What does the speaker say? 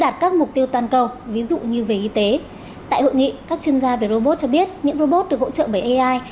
tại hội nghị các chuyên gia về robot cho biết những robot được hỗ trợ bởi ai